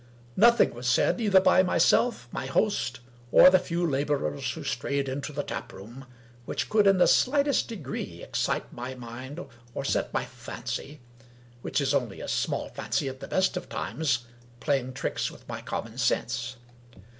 Nothing was said, either by myself, my host, or the few laborers who strayed into the 229 English Mystery Stories tap room, which could, in the sHghtest degree, excite my; mind, or set my fancy — ^which is only a small fancy at the best of times — playing tricks with my common sense.